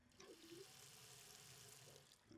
Hech bir ayolga musofirning hayotini ravo ko‘rmayman